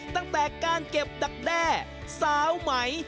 ตั้งแต่การเก็บดักแด้สาวไหม